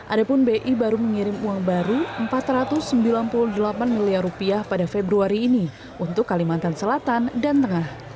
adapun bi baru mengirim uang baru rp empat ratus sembilan puluh delapan miliar pada februari ini untuk kalimantan selatan dan tengah